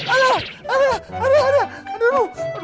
aduh aduh aduh